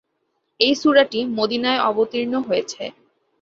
এই সূরাটি মদীনায় অবতীর্ণ হয়েছে।